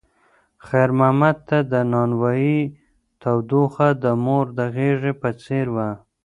خیر محمد ته د نانوایۍ تودوخه د مور د غېږې په څېر وه.